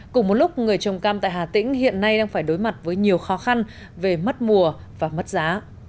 cùng một lúc người trồng cam tại hà tĩnh hiện nay đang phải đối mặt với nhiều khó khăn về mất mùa và mất giá